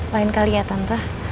lain kali ya tante